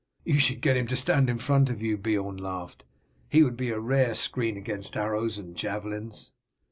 "You should get him to stand in front of you," Beorn laughed. "He would be a rare screen against arrows and javelins."